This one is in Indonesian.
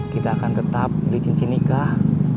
kita akan tetap di cincin nikah